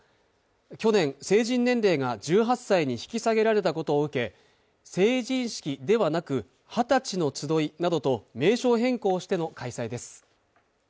去年、成人年齢が１８歳に引き下げられたことを受け、成人式ではなく、はたちの集いなどと名称変更しての開催です。